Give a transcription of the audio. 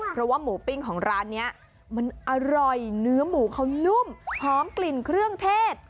เพราะว่าหมูปิ้งของร้านนี้มันอร่อยเนื้อหมูเขานุ่มหอมกลิ่นเครื่องเทศ